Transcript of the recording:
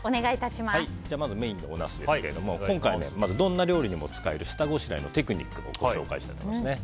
まずメインのおナスですがどんな料理にも使える下ごしらえのテクニックをご紹介したいと思います。